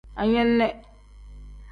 Anene.